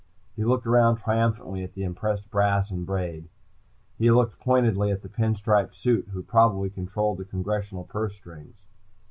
He looked around triumphantly at the impressed brass and braid. He looked pointedly at the pin striped suit who probably controlled congressional purse strings.